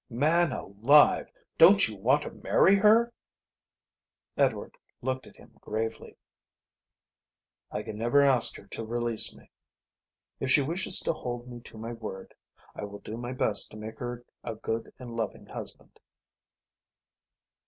"Man alive, don't you want to marry her?" Edward looked at him gravely. "I can never ask her to release me. If she wishes to hold me to my word I will do my best to make her a good and loving husband."